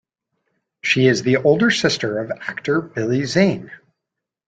She is the older sister of actor Billy Zane.